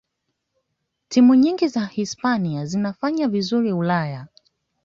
timu nyingi za hispania zinafanya vizuri ulaya